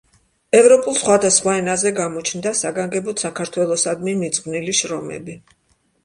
ევროპულ სხვადასხვა ენაზე გამოჩნდა საგანგებოდ საქართველოსადმი მიძღვნილი შრომები.